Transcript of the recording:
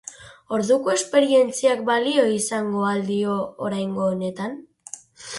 Orduko esperientziak balio izango al dio oraingo honetan?